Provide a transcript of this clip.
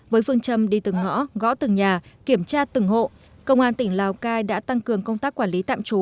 với phương châm đi từng ngõ gõ từng nhà kiểm tra từng hộ công an tỉnh lào cai đã tăng cường công tác quản lý tạm trú